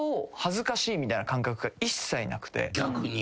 逆に。